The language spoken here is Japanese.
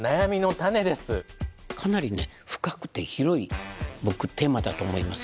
かなりね深くて広い僕テーマだと思います